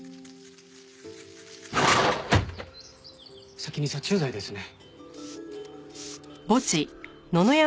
先に殺虫剤ですね。